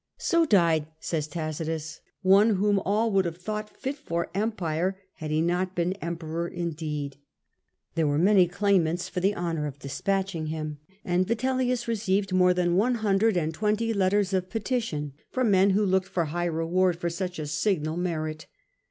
So died, says Tacitus, one whom all would have thought killed; fit for empire, had he not been Emperor in deed. There 128 The Earlier Empire. a.d. 69 . were many claimants for the honour of dispatching him, and Vitellius received more than one hundred and twenty letters of petition from men who looked for high reward for such a signal merit.